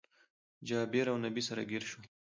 جابير اونبي سره ګير شول